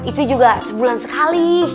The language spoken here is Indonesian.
itu juga sebulan sekali